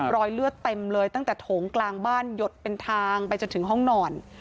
รอยเลือดเต็มเลยตั้งแต่โถงกลางบ้านหยดเป็นทางไปจนถึงห้องนอน